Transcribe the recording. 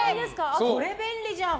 これ、便利じゃん！